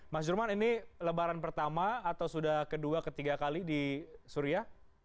mas jurman ini lebaran pertama atau sudah kedua ketiga kali di suria